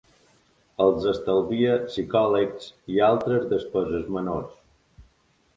Els estalvia psicòlegs i altres despeses menors.